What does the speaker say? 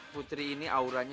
putri ini auranya